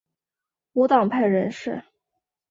无党派人士。